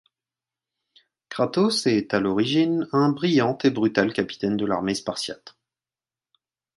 Kratos est à l'origine un brillant et brutal capitaine de l'armée spartiate.